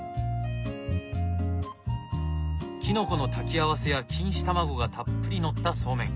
キノコの炊き合わせや錦糸卵がたっぷり載ったそうめん。